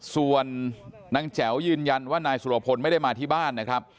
ส่วนนางแจ๋วยืนยันว่านายสุรพลไม่ได้มาที่บ้านนะครับ